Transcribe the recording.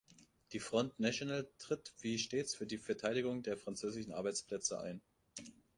Die Front national tritt wie stets für die Verteidigung der französischen Arbeitsplätze ein.